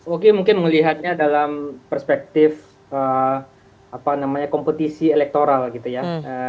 oke mungkin melihatnya dalam perspektif kompetisi elektoral gitu ya